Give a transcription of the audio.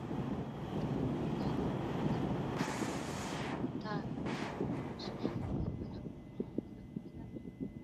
南太平洋大学是一所由大洋洲十几个国家共同创办的公立大学。